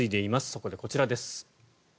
そこでこちらです。